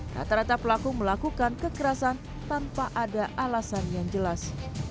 rata rata pelaku melakukan kekerasan tanpa ada alasan yang jelas